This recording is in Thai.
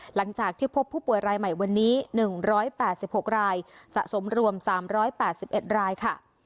หลังจากที่พบผู้ป่วยรายใหม่วันนี้๑๘๖รายสะสมรวม๓๘๑รายค่ะ